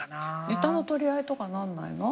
ネタの取り合いとかなんないの？